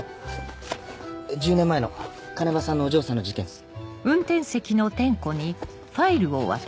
１０年前の鐘場さんのお嬢さんの事件っす。